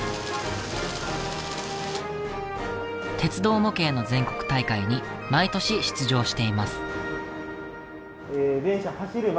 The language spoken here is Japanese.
鉄道模型の全国大会に毎年出場しています。